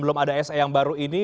belum ada se yang baru ini